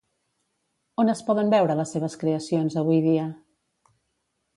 On es poden veure les seves creacions avui dia?